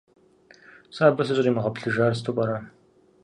Сэ абы сыщӀримыгъэплъыжар сыту пӀэрэ?